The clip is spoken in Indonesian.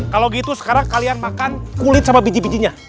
kalau gitu sekarang kalian makan kulit sama biji bijinya